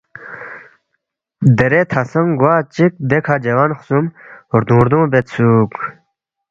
دیرے تھہ سنگ گوا چِک دیکھہ جوان خسُوم ردُونگ ردُونگ بیدسُوک